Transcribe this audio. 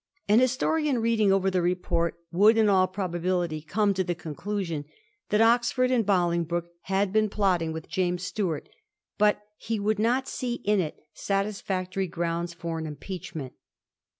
An historian reading over the report would in all probability come to the conclusion that Oxford and Bolingbroke had been plotting with James Stuart, but he would not see in it satisfactory grounds for an impeachment.